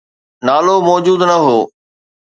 نالو موجود نه هو.